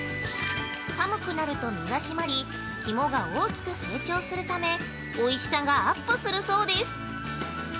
寒くなると身が締まり肝が大きく成長するためおいしさがアップするそうです。